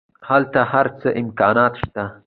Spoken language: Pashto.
هلته هر څه امکانات شته.